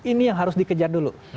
ini yang harus dikejar dulu